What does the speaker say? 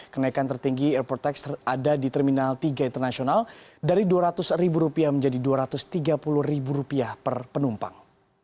kenaikan tertinggi airport tax ada di terminal tiga internasional dari rp dua ratus menjadi rp dua ratus tiga puluh per penumpang